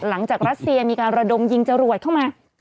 รัสเซียมีการระดมยิงจรวดเข้ามา